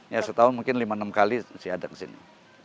ya setahun mungkin lima enam kali masih ada kesini